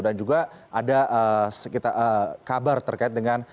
dan juga ada kabar terkait dengan